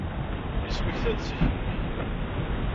Yesmekta-d zik-nni.